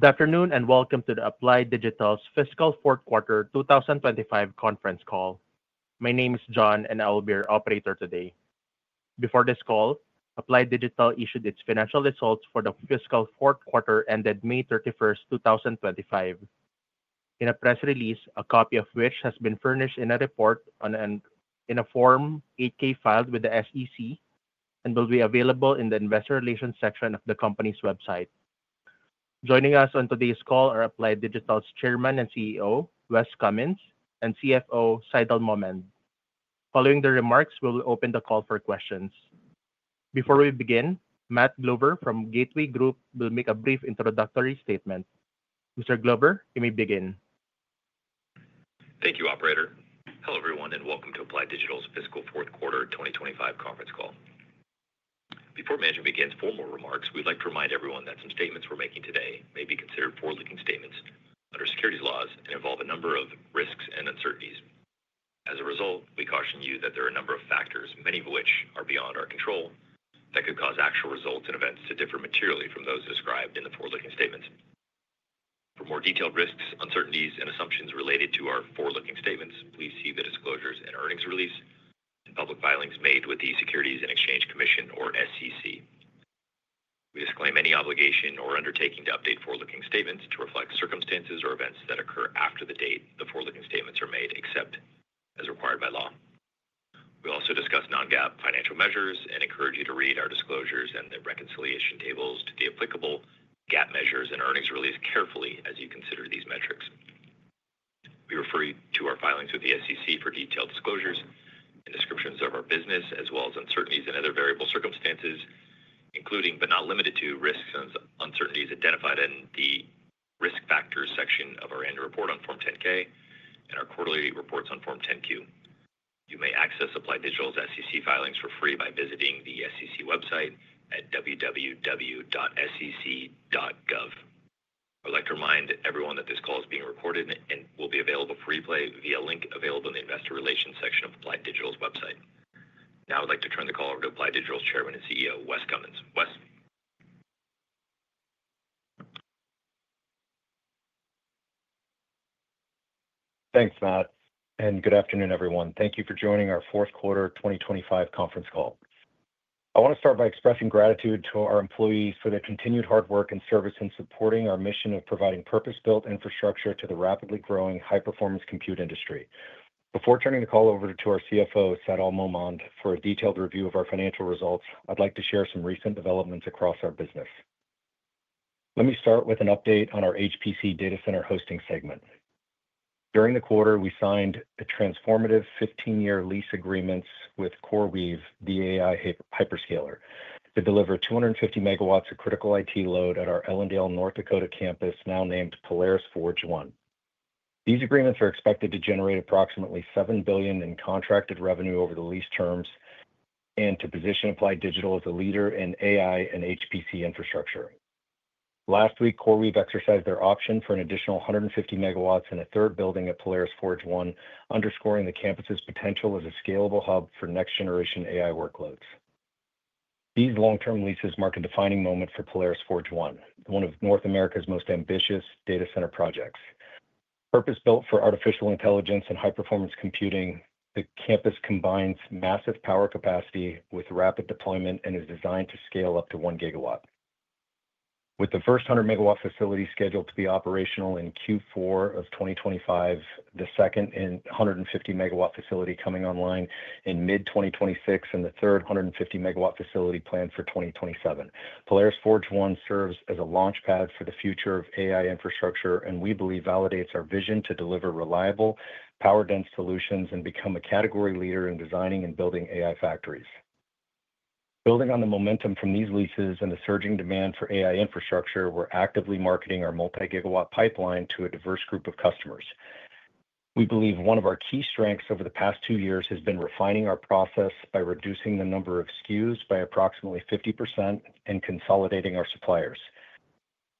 Good afternoon and welcome to Applied Digital's fiscal fourth quarter 2025 conference call. My name is John and I will be your operator today. Before this call, Applied Digital issued its financial results for the fiscal fourth quarter ended May 31, 2025, in a press release, a copy of which has been furnished in a report in a Form 8-K filed with the SEC and will be available in the Investor Relations section of the company's website. Joining us on today's call are Applied Digital's Chairman and CEO Wes Cummins and CFO Seidal Mohmand. Following the remarks, we will open the call for questions. Before we begin, Matt Glover from Gateway Group will make a brief introductory statement. Mr. Glover, you may begin. Thank you, operator. Hello everyone and welcome to Applied Digital's fiscal fourth quarter 2025 conference call. Before management begins formal remarks, we'd like to remind everyone that some statements we're making today may be considered forward-looking statements under securities laws and involve a number of risks and uncertainties. As a result, we caution you that there are a number of factors, many of which are beyond our control, that could cause actual results and events to differ materially from those described in the forward-looking statements. For more detailed risks, uncertainties, and assumptions related to our forward-looking statements, please see the disclosures and earnings release and public filings made with the Securities and Exchange Commission or SEC. We disclaim any obligation or undertaking to update forward-looking statements to reflect circumstances or events that occur after the date I want to start by expressing gratitude to our employees for their continued hard work and service in supporting our mission of providing purpose-built infrastructure to the rapidly growing high-performance compute industry. Before turning the call over to our CFO, Seidal Mohmand, for a detailed review of our financial results, I'd like to share some recent developments across our business. Let me start with an update on our HPC data center hosting segment. During the quarter, we signed a transformative 15-year lease agreement with CoreWeave, the AI hyperscaler, to deliver 250 MW of critical IT load at our Ellendale, North Dakota campus, now named Polaris Forge 1. These agreements are expected to generate approximately $7 billion in contracted revenue over the lease terms and to position Applied Digital as a leader in AI and HPC infrastructure. Last week, CoreWeave exercised their option for an additional 150 MW in a third building at Polaris Forge 1, underscoring the campus's potential as a scalable hub for next-generation AI workloads. These long-term leases mark a defining moment for Polaris Forge 1, one of North America's most ambitious data center projects. Purpose-built for artificial intelligence and high-performance computing, the campus combines massive power capacity with rapid deployment and is designed to scale up to 1 GW, with the first 100-MW facility scheduled to be operational in Q4 of 2025, the second 150-MW facility coming online in mid-2026, and the third 150-MW facility planned. Polaris Forge 1 serves as a launchpad for the future of AI infrastructure, and we believe validates our vision to deliver reliable, power-dense solutions and become a category leader in designing and building AI factories. Building on the momentum from these leases and the surging demand for AI infrastructure, we're actively marketing our multi-gigawatt pipeline to a diverse group of customers. We believe one of our key strengths over the past two years has been refining our process by reducing the number of SKUs by approximately 50% and consolidating our suppliers.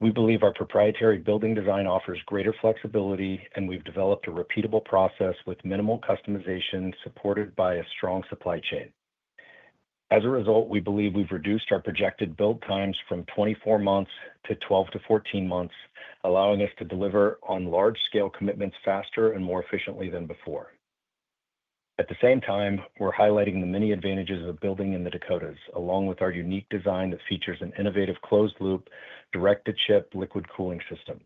We believe our proprietary building design offers greater flexibility, and we've developed a repeatable process with minimal customization supported by a strong supply chain. As a result, we believe we've reduced our projected build times from 24 months to 12-14 months, allowing us to deliver on large scale commitments faster and more efficiently than before. At the same time, we're highlighting the many advantages of building in the Dakotas along with our unique design that features an innovative closed-loop direct-to-chip liquid cooling system.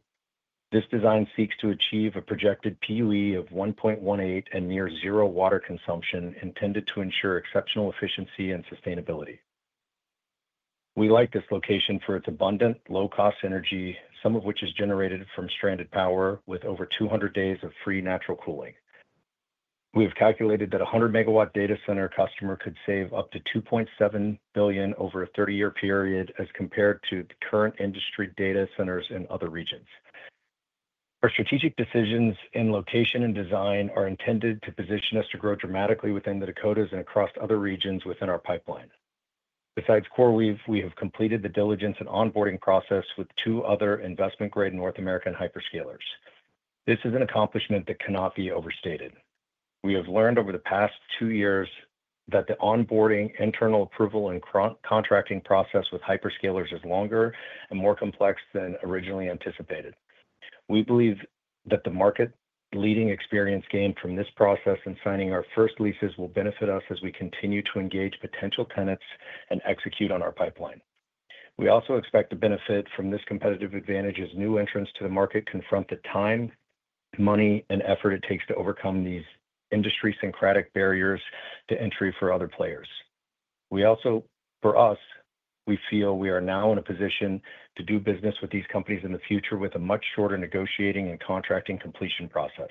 This design seeks to achieve a projected PUE of 1.18 and near zero water consumption intended to ensure exceptional efficiency and sustainability. We like this location for its abundant low-cost energy, some of which is generated from stranded power with over 200 days of free natural cooling, we have calculated that a 100 MW data center customer could save up to $2.7 billion over a 30-year period as compared to the current industry data centers in other regions. Our strategic decisions in location and design are intended to position us to grow dramatically within the Dakotas and across other regions within our pipeline. Besides CoreWeave, we have completed the diligence and onboarding process with two other investment-grade North American hyperscalers. This is an accomplishment that cannot be overstated. We have learned over the past two years that the onboarding, internal approval, and contracting process with hyperscalers is longer and more complex than originally anticipated. We believe that the market-leading experience gained from this process and signing our first leases will benefit us as we continue to engage potential tenants and execute on our pipeline. We also expect to benefit from this competitive advantage as new entrants to the market confront the time, money, and effort it takes to overcome these industry idiosyncratic barriers to entry for other players. For us, we feel we are now in a position to do business with these companies in the future with a much shorter negotiating and contracting completion process.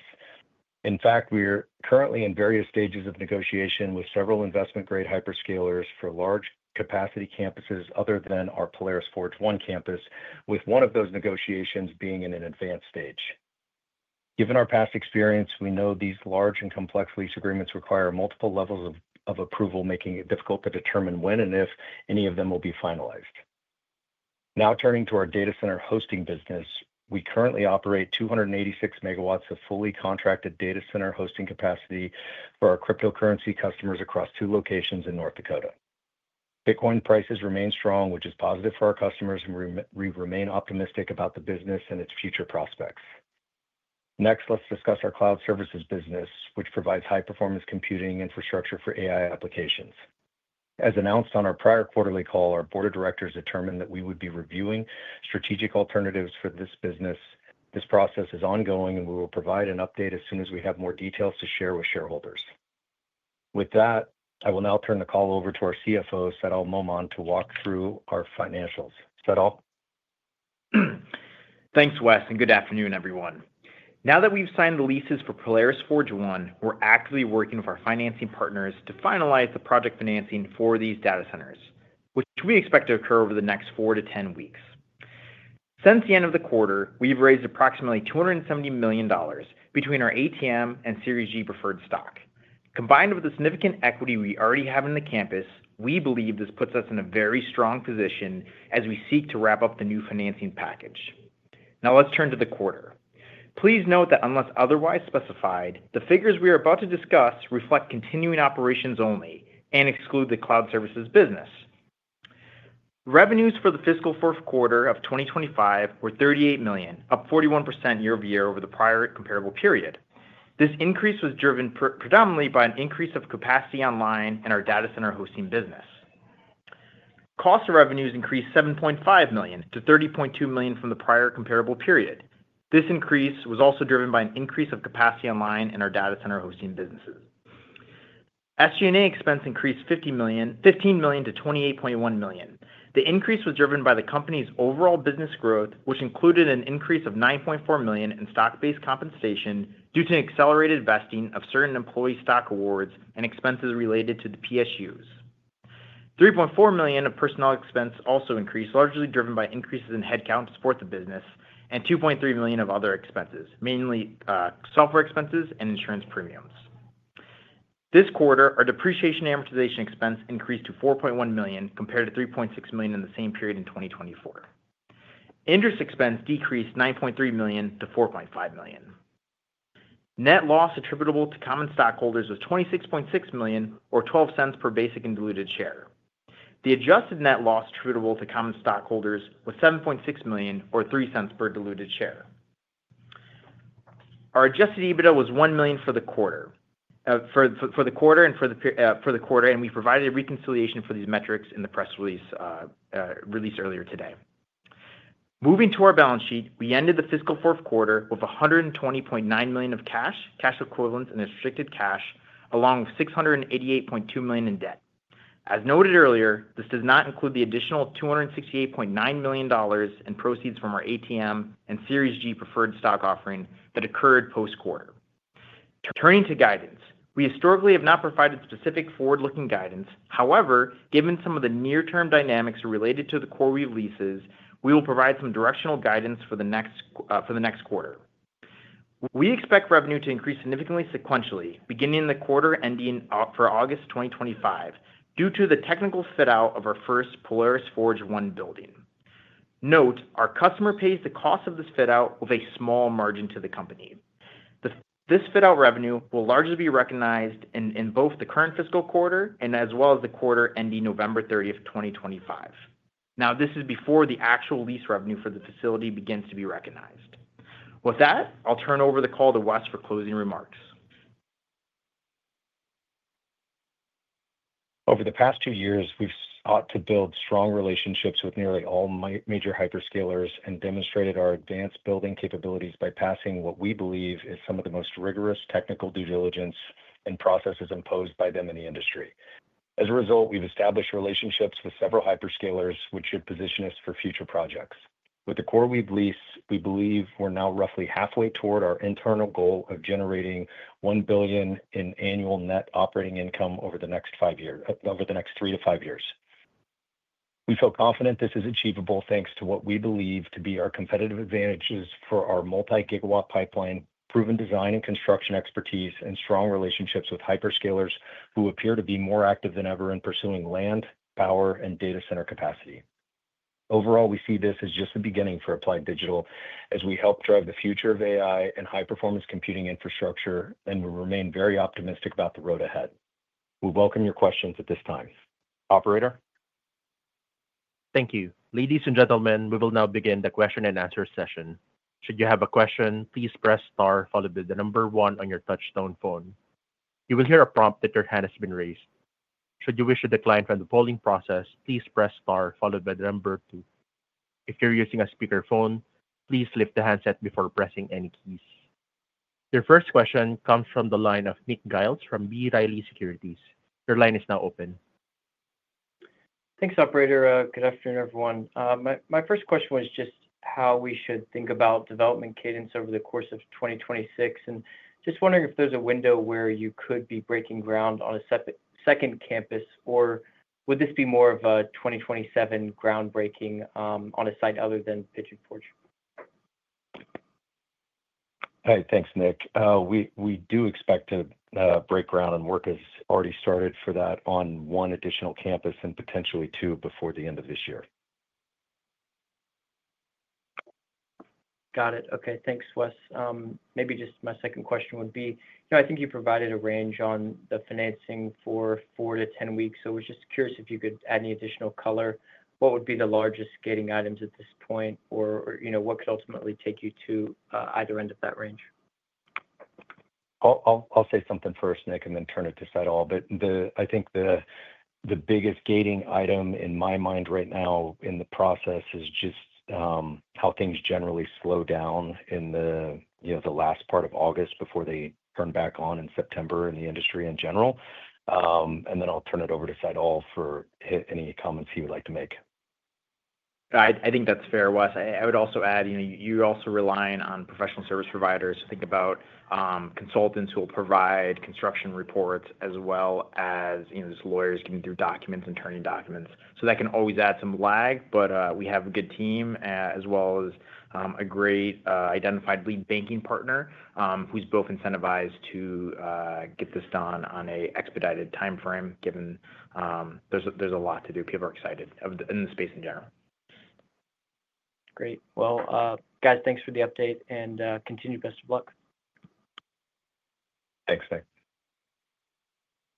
In fact, we are currently in various stages of negotiation with several investment-grade hyperscalers for large capacity campuses other than our Polaris Forge 1 campus, with one of those negotiations being in an advanced stage. Given our past experience, we know these large and complex lease agreements require multiple levels of approval, making it difficult to determine when and if any of them will be finalized. Now turning to our data center hosting business, we currently operate 286 MW of fully contracted data center hosting capacity for our cryptocurrency customers across two locations in North Dakota. Bitcoin prices remain strong, which is positive for our customers, and we remain optimistic about the business and its future prospects. Next, let's discuss our cloud services business, which provides high-performance computing infrastructure for AI applications. As announced on our prior quarterly call, our Board of Directors determined that we would be reviewing strategic alternatives for this business. This process is ongoing, and we will provide an update as soon as we have more details to share with shareholders. With that, I will now turn the call over to our CFO Seidal Mohmand to walk through our financials. Thanks Wes and good afternoon everyone. Now that we've signed the leases for Polaris Forge 1, we're actively working with our financing partners to finalize the project financing for these data centers, which we expect to occur over the next 4-10 weeks. Since the end of the quarter, we've raised approximately $270 million between our ATM and Series G preferred stock. Combined with the significant equity we already have in the campus, we believe this puts us in a very strong position as we seek to wrap up the new financing package. Now let's turn to the quarter. Please note that unless otherwise specified, the figures we are about to discuss reflect continuing operations only and exclude the cloud services business. Revenues for the fiscal fourth quarter of 2025 were $38 million, up 41% year-over-year over the prior comparable period. This increase was driven predominantly by an increase of capacity online in our data center hosting business. Cost of revenues increased $7.5 million-$30.2 million from the prior comparable period. This increase was also driven by an increase of capacity online in our data center hosting businesses. SG&A expense increased $15 million-$28.1 million. The increase was driven by the company's overall business growth, which included an increase of $9.4 million in stock-based compensation due to accelerated vesting of certain employee stock awards and expenses related to the PSUs. $3.4 million of personnel expense also increased, largely driven by increases in headcount to support the business, and $2.3 million of other expenses, mainly software expenses and insurance premiums. This quarter our depreciation and amortization expense increased to $4.1 million compared to $3.6 million in the same period in 2024. Interest expense decreased $9.3 million-$4.5 million. Net loss attributable to common stockholders was $26.6 million or $0.12 per basic and diluted share. The adjusted net loss attributable to common stockholders was $7.6 million or $0.03 per diluted share. Our adjusted EBITDA was $1 million for the quarter, and we provided a reconciliation for these metrics in the press release earlier today. Moving to our balance sheet, we ended the fiscal fourth quarter with $120.9 million of cash, cash equivalents and restricted cash along with $688.2 million in debt. As noted earlier, this does not include the additional $268.9 million in proceeds from our ATM and Series G preferred stock offering that occurred post quarter. Turning to guidance, we historically have not provided specific forward-looking guidance. However, given some of the near-term dynamics related to the CoreWeave leases, we will provide some directional guidance for the next quarter. We expect revenue to increase significantly sequentially beginning in the quarter ending August 2025 due to the technical fit-out of our first Polaris Forge 1 building. Note, our customer pays the cost of this fit-out with a small margin to the company. This fit-out revenue will largely be recognized in both the current fiscal quarter as well as the quarter ending November 30, 2025. This is before the actual lease revenue for the facility begins to be recognized. With that, I'll turn over the call to Wes for closing remarks. Over the past two years, we've sought to build strong relationships with nearly all major hyperscalers and demonstrated our advanced building capabilities by passing what we believe is some of the most rigorous technical due diligence and processes imposed by them in the industry. As a result, we've established relationships with several hyperscalers, which should position us for future projects. With the CoreWeave lease, we believe we're now roughly halfway toward our internal goal of generating $1 billion in annual net operating income over the next five years. Over the next three to five years, we feel confident this is achievable thanks to what we believe to be our competitive advantages for our multi-gigawatt pipeline, proven design and construction expertise, and strong relationships with hyperscalers who appear to be more active than ever in pursuing land, power, and data center capacity. Overall, we see this as just the beginning for Applied Digital as we help drive the future of AI and high-performance computing infrastructure, and we remain very optimistic about the road ahead. We welcome your questions at this time. Operator, thank you, ladies and gentlemen. We will now begin the question and answer session. Should you have a question, please press Star followed by the number one on your touch-tone phone. You will hear a prompt that your hand has been raised. Should you wish to decline from the polling process, please press Star followed by the number two. If you're using a speakerphone, please lift the handset before pressing any keys. Your first question comes from the line of Nick Giles from B. Riley Securities. Your line is now open. Thanks, operator. Good afternoon, everyone. My first question was just how we should think about development cadence over the course of 2026, and just wondering if there's a window where you could be breaking ground on a second campus, or would this be more of a 2027 groundbreaking on a site other than Polaris Forge 1? Hi. Thanks, Nick. We do expect to break ground, and work has already started for that on one additional campus and potentially two before the end of this year. Got it. Okay. Thanks, Wes. Maybe just my second question would be I think you provided a range on the financing for four to 10 weeks. We're just curious if you could add any additional color, what would be the largest gating items at this point, or what could ultimately take you to either end of that range. I'll say something first, Nick, and then turn it to Seidal. I think the biggest gating item in my mind right now in the process is just how things generally slow down in the last part of August before they turn back on in September in the industry in general. I'll turn it over to Seidal for any comments he would like to. I think that's fair, Wes. I would also add you're also relying on professional service providers to think about consultants who will provide construction reports as well as lawyers getting through documents and attorney documents. That can always add some lag. We have a good team as well as a great identified lead banking partner who's both incentivized to get this done on an expedited time frame. Given there's a lot to do, people are excited in the space in general. Great. Thank you for the update and continue. Best of luck. Thanks, Nick.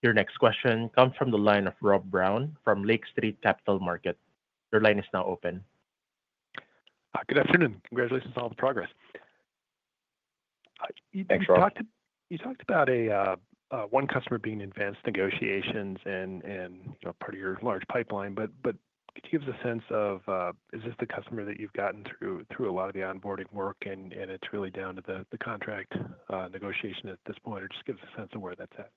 Your next question comes from the line of Rob Brown from Lake Street Capital Markets. Your line is now open. Good afternoon. Congratulations on all the progress. Thanks, Rob,. you talked about one customer being in advanced negotiations and part of your large pipeline. Could you give us a sense of is this the customer that you've gotten through a lot of the onboarding work and it's really down to the contract negotiation at this point, or just give us a sense of where that's at.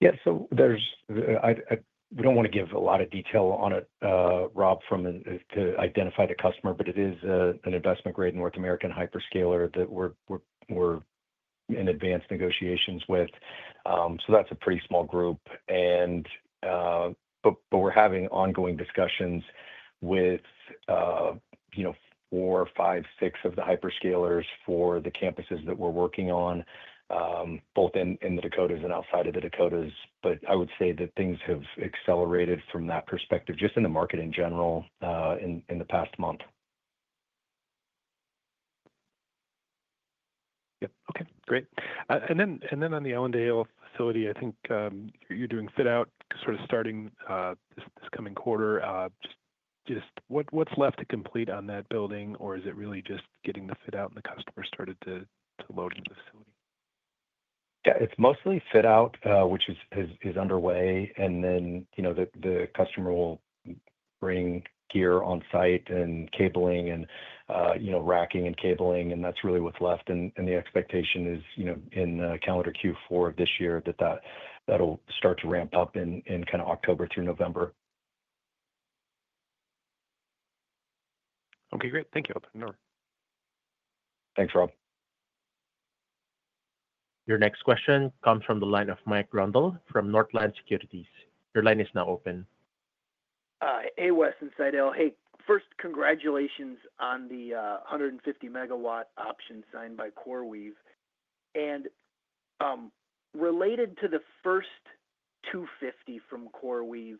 Yeah. There's, we don't want to give a lot of detail on it, Rob, to identify the customer, but it is an investment-grade North American hyperscaler that we're in advanced negotiations with. That's a pretty small group, and we're having ongoing discussions with, you know, four, five, six of the hyperscalers for the campuses that we're working on both in the Dakotas and outside of the Dakotas. I would say that things have accelerated from that perspective just in the market in general in the past month. Yeah. Okay, great. On the Ellendale facility, I think you're doing fit out starting this coming quarter. What's left to complete on that building, or is it really just getting the fit out and the customer started to load in the facility? Yeah, it's mostly fit-out, which is underway. The customer will bring gear on site and cabling, you know, racking and cabling. That's really what's left. The expectation is, you know, in calendar Q4 of this year, that'll start to ramp up in kind of October through November. Okay, great. Thank you. Thanks, Rob. Your next question comes from the line of Mike Grondahl from Northland Securities. Your line is now open. Hey, Wes and Seidal. Hey. First, congratulations on the 150 MW option signed by CoreWeave and related to the first 250 MW from CoreWeave,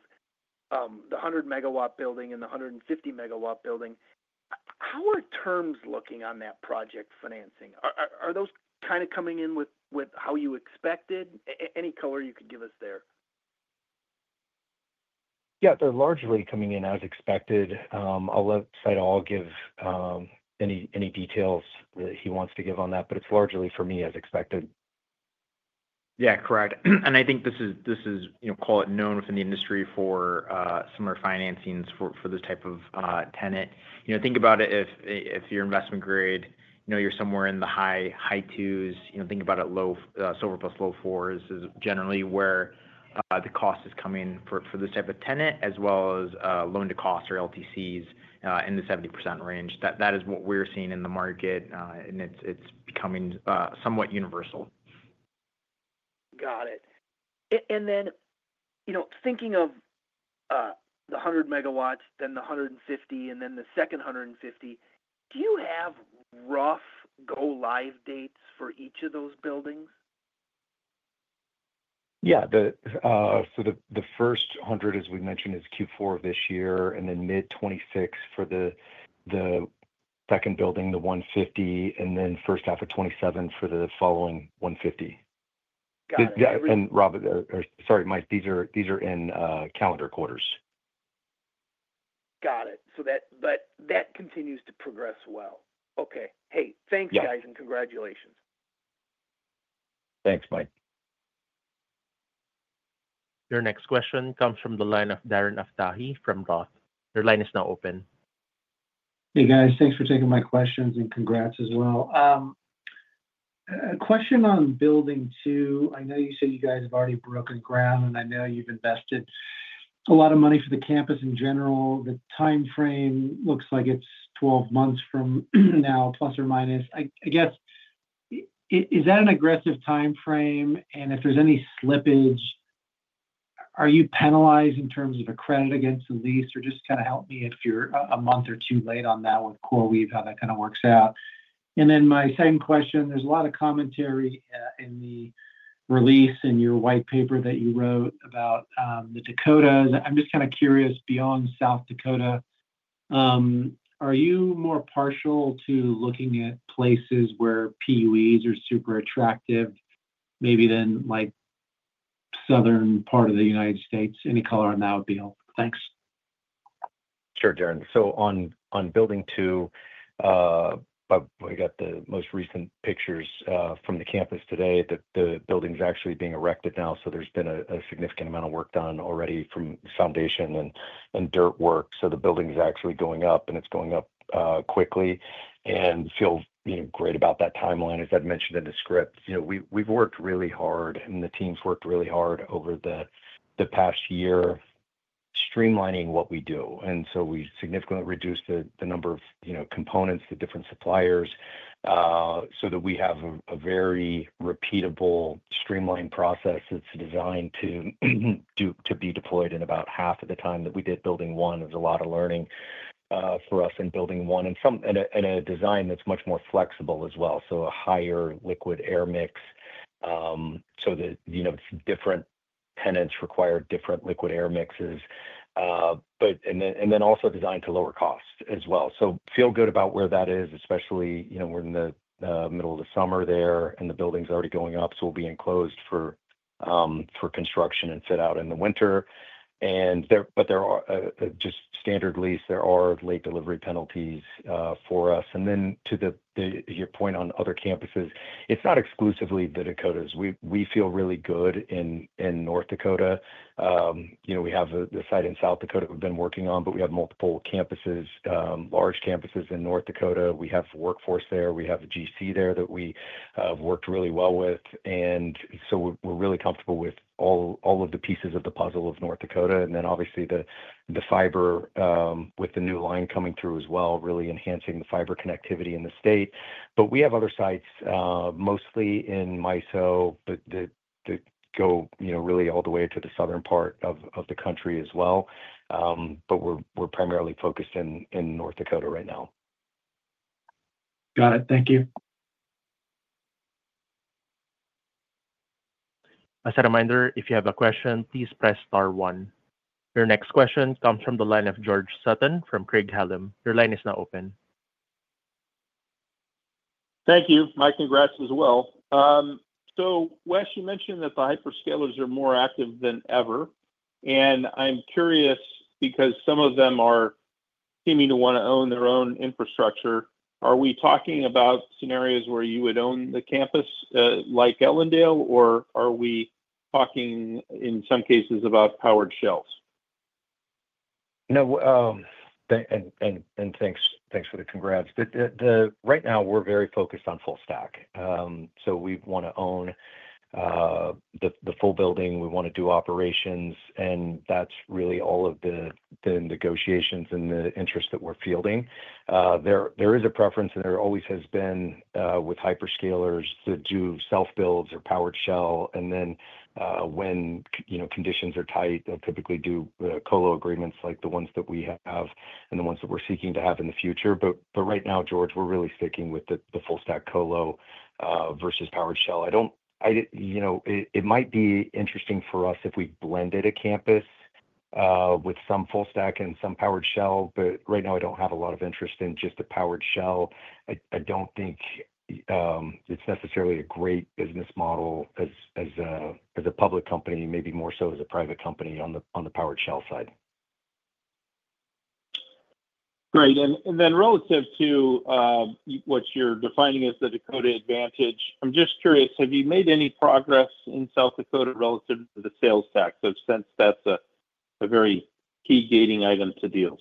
the 100 MW building and the 150 MW building. How are terms looking on that project financing? Are those kind of coming in with how you expected, any color you could give us there? Yeah, they're largely coming in as expected. I'll let Seidal give any details that he wants to give on that, but it's largely for me as expected. Yeah, correct. This is, you know, call it known within the industry for similar financings for this type of tenant. Think about it. If you're investment grade, you're somewhere in the high, high twos. Think about it. Low silver plus low fours is generally where the cost is coming for this type of tenant as well as loan to cost or LTCs in the 70% range. That is what we're seeing in the market and it's becoming somewhat universal. Got it. You know, thinking of the 100 MW, then the 150 MW and then the second 150 MW, do you have rough go live dates for each of those buildings? Yeah, the first hundred, as we mentioned, is Q4 of this year, then mid 2026 for the second building, the 150 MW, and then first half of 2027 for the following 150 MW. Rob, sorry, Mike, these are in calendar quarters. Got it. That continues to progress. Okay. Hey, thanks guys and congratulations. Thanks, Mike. Your next question comes from the line of Darren Aftahi from ROTH. Your line is now open. Hey guys, thanks for taking my questions and congrats as well. A question on building two. I know you said you guys have already broken ground, and I know you've invested a lot of money for the campus in general. The time frame looks like it's 12 months from now, plus or minus. I guess, is that an aggressive time frame? If there's any slippage, are you penalized in terms of a credit against the lease, or just kind of help me if you're a month or two late on that with CoreWeave, how that kind of works out. My second question. There's a lot of commentary in the release in your white paper that you wrote about the Dakotas. I'm just kind of curious. Beyond South Dakota, are you more partial to looking at places where PUEs are super attractive, maybe like the southern part of the U.S.? Any color on that would be helpful. Thanks. Sure, Darren. So on building two, we got the most recent pictures from the campus today that the building's actually being erected now. There's been a significant amount of work done already from foundation and dirt work. The building is actually going up and it's going quickly and feel great about that timeline. As I'd mentioned in the script, we've worked really hard and the team's worked really hard over the past year streamlining what we do. We significantly reduced the number of components to different suppliers so that we have a very repeatable, streamlined process that's designed to be deployed in about half of the time that we did building one. There's a lot of learning for us in building one and some in a design that's much more flexible as well. A higher liquid air mix so that different tenants require different liquid air mixes. Also designed to lower cost as well. Feel good about where that is. Especially, we're in the middle of the summer there and the building's already going up, so we'll be enclosed for construction and fit out in the winter. There are just standard lease, there are late delivery penalties for us. To your point, on other campuses, it's not exclusively the Dakotas. We. We feel really good in North Dakota. We have the site in South Dakota we've been working on, but we have multiple campuses, large campuses in North Dakota. We have workforce there, we have GC there that we worked really well with. We're really comfortable with all of the pieces of the puzzle of North Dakota. Obviously, the fiber with the new line coming through as well is really enhancing the fiber connectivity in the state. We mostly in MISO, but go really all the way to the southern part of the country as well. But we're. We're primarily focused in North Dakota right now. Got it. Thank you. As a reminder, if you have a question, please press Star one. Your next question comes from the line of George Sutton from Craig-Hallum Capital Group. Your line is not open. Thank you. My congrats as well. Wes, you mentioned that the hyperscalers are more active than ever. I'm curious because some of them are seeming to want to own their own infrastructure. Are we talking about scenarios where you would own the campus like Ellendale, or are we talking in some cases about powered shells? No, and thanks for the congrats. Right now we're very focused on full stack. We want to own the full building, we want to do operations, and that's really all of the negotiations and the interest that we're fielding. There is a preference, and there always has been with hyperscalers, to do self builds or powered shell. When conditions are tight, they'll typically do colo agreements like the ones that have and the ones that we're seeking to have in the future. Right now, George, we're really sticking with the full stack colo versus powered shell. I don't. It might be interesting for us if we blended a campus with some full stack and some powered shell, but right now I don't have a lot of interest in just a powered shell. I don't think it's necessarily a great business model as a public company, maybe more so as a private company. On the powered shell side, great. Relative to what you're defining as the Dakota Advantage, I'm just curious, have you made any progress in South Dakota relative to the sales tax, since that's a very key gating item to deals?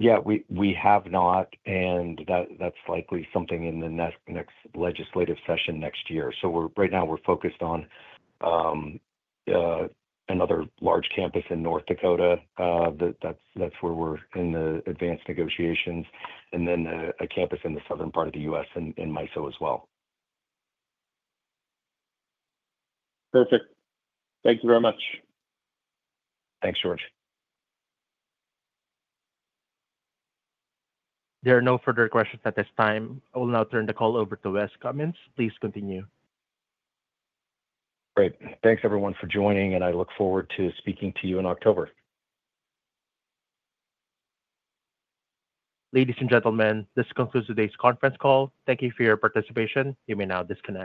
Yeah, we have not. That's likely something in the next legislative session next year. Right now we're focused on another large campus in North Dakota, where we're in the advanced negotiations, and then a campus in the southern U.S. and MISO as well. Perfect. Thank you very much. Thanks, George. There are no further questions at this time. I will now turn the call over to Wes Cummins. Please continue. Great. Thanks everyone for joining, and I look forward to speaking to you in October. Ladies and gentlemen, this concludes today's conference call. Thank you for your participation. You may now disconnect.